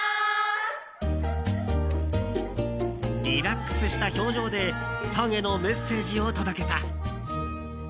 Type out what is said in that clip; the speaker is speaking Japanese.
リラックスした表情でファンへのメッセージを届けた。